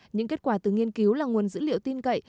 những kết quả từ nghiên cứu là nguồn dữ liệu tin cậy